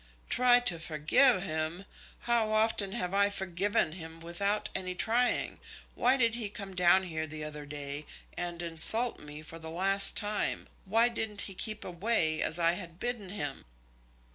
"Try to forgive him! How often have I forgiven him without any trying? Why did he come down here the other day, and insult me for the last time? Why didn't he keep away, as I had bidden him?"